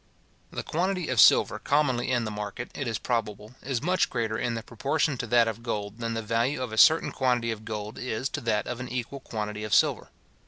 The quantity of silver commonly in the market, it is probable, is much greater in proportion to that of gold, than the value of a certain quantity of gold is to that of an equal quantity of silver.